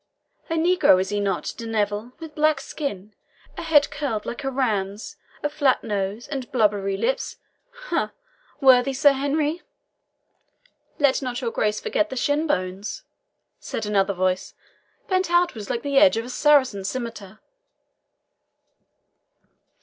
"A negro, is he not, De Neville, with black skin, a head curled like a ram's, a flat nose, and blubber lips ha, worthy Sir Henry?" "Let not your Grace forget the shin bones," said another voice, "bent outwards like the edge of a Saracen scimitar."